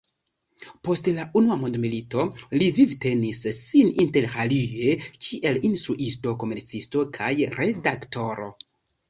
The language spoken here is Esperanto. Post la Unua Mondmilito li vivtenis sin interalie kiel instruisto, komercisto kaj redaktoro.